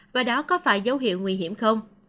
và đó có phải dấu hiệu nguy hiểm không